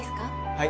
はい。